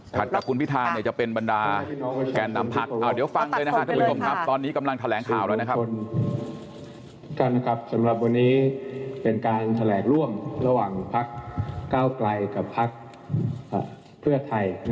สำหรับวันนี้เป็นการแถลงร่วมระหว่างพักก้าวไกลกับพักเพื่อไทย